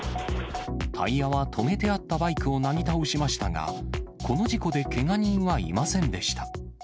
タイヤは止めてあったバイクをなぎ倒しましたが、この事故でけが人はいませんでした。